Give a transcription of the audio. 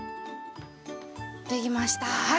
できました。